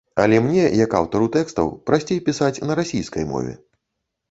Але мне, як аўтару тэкстаў, прасцей пісаць на расійскай мове.